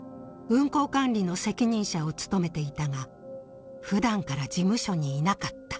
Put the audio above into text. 運航管理の責任者を務めていたが普段から事務所にいなかった。